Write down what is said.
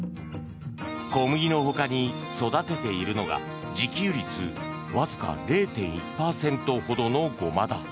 小麦のほかに育てているのが自給率わずか０．１％ほどのゴマだ。